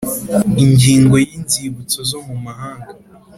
ingingo ya inzibutso zo mu mahanga